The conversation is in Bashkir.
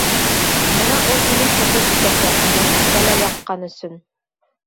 Бына ул һине хөкөм итәсәк, нахаҡ бәлә яҡҡан өсөн.